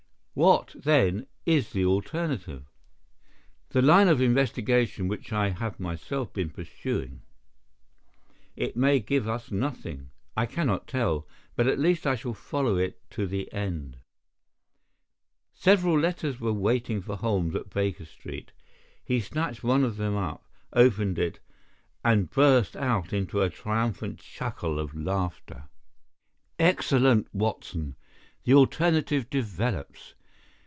"What, then, is the alternative?" "The line of investigation which I have myself been pursuing. It may give us nothing. I cannot tell. But at least I shall follow it to the end." Several letters were waiting for Holmes at Baker Street. He snatched one of them up, opened it, and burst out into a triumphant chuckle of laughter. "Excellent, Watson! The alternative develops.